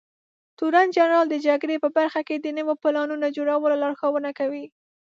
تورنجنرال د جګړې په برخه کې د نويو پلانونو جوړولو لارښونه کوي.